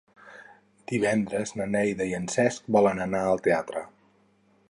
Divendres na Neida i en Cesc volen anar al teatre.